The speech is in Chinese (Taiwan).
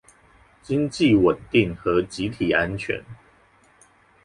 經濟穩定和集體安全